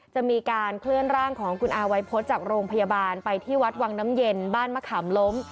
จะมีการเคลื่อนร่างของคุณอาวัยพฤษจากโรงพยาบาลไปที่วัดวังน้ำเย็นบ้านมะขามล้ม